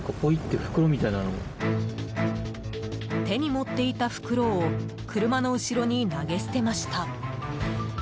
手に持っていた袋を車の後ろに投げ捨てました。